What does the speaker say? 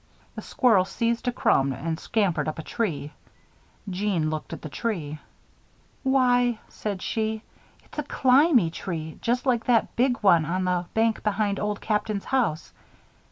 The squirrel seized a crumb and scampered up a tree. Jeanne looked at the tree. "Why," said she, "it's a climb y tree just like that big one on the bank behind Old Captain's house.